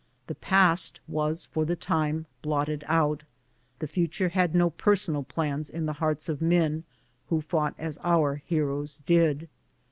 The past was for the time blotted out ; the future had no personal plans in the hearts of men who fought as our heroes did.